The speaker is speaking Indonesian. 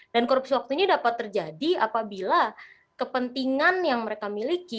dan korupsi waktunya dapat terjadi apabila kepentingan yang mereka miliki